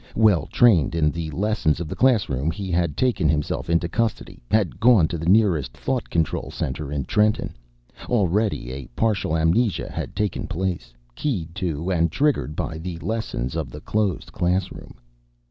Well trained in the lessons of the classroom, he had taken himself into custody, had gone to the nearest thought control center in Trenton. Already a partial amnesia had taken place, keyed to and triggered by the lessons of the closed classroom.